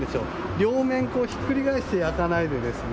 両面こうひっくり返して焼かないでですね